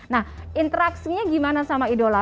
nah interaksinya gimana sama idola